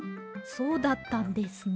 そうだったんですね。